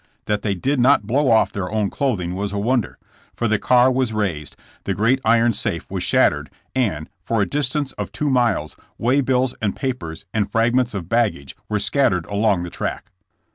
That they did not blow off their own clothing was a wonder, for the car was razed, the great iron safe was shattered, and, for a distance of two miles, waybills and papers and fragments of baggage were scattered along the track.